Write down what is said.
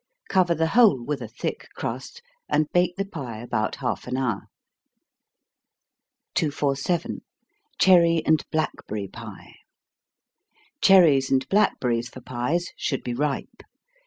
Cover the whole with a thick crust, and bake the pie about half an hour. 247. Cherry and Blackberry Pie. Cherries and blackberries for pies should be ripe.